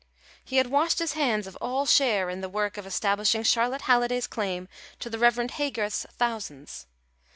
He had washed his hands of all share in the work of establishing Charlotte Halliday's claim to the Reverend John Haygarth's thousands.